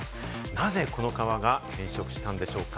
なぜこの川が変色したんでしょうか？